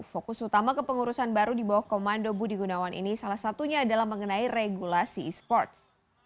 fokus utama kepengurusan baru di bawah komando budi gunawan ini salah satunya adalah mengenai regulasi e sports